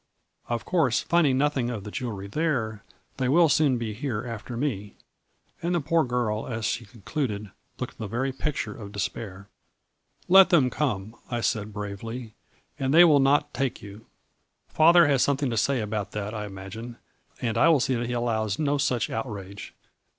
Of course, finding nothing of the jewelry there, they will soon be here after me,' and the poor girl as she concluded, looked the very picture of despair. "' Let them come,' I said bravely. " And they will not take you. Father has something to say about that I imagine, and I will see that he allows no such outrage.